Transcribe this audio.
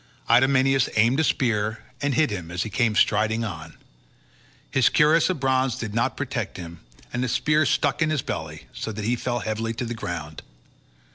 Idomeneus aimed a spear, and hit him as he came striding on. His cuirass of bronze did not protect him, and the spear stuck in his belly, so that he fell heavily to the ground.